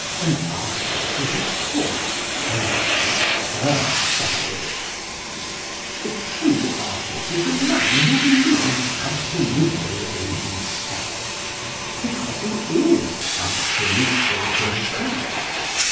An artist is, of course, not disturbed by it. The true artist is a man who believes absolutely in himself, because he is absolutely himself.